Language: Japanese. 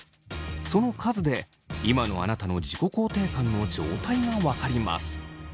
その数で今のあなたの自己肯定感の状態が分かります。